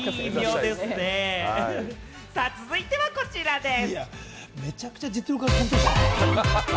続いてはこちらです。